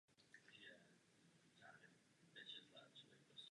Systém soutěže se za dobu existence celkem dvakrát změnil.